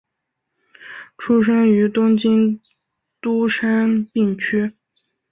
出身于东京都杉并区。